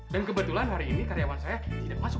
dan kebetulan hari ini karyawan saya tidak masuk